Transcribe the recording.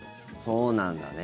そうなんだね。